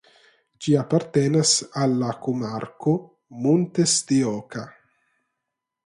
Ĝi apartenas al la komarko "Montes de Oca".